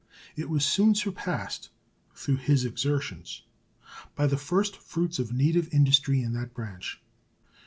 It was soon surpassed, through his exertions, by the first fruits of native industry in that branch.